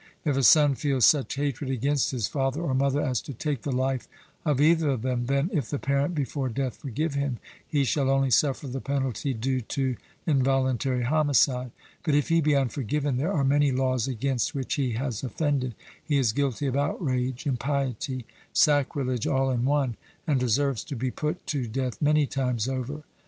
If a son feels such hatred against his father or mother as to take the life of either of them, then, if the parent before death forgive him, he shall only suffer the penalty due to involuntary homicide; but if he be unforgiven, there are many laws against which he has offended; he is guilty of outrage, impiety, sacrilege all in one, and deserves to be put to death many times over.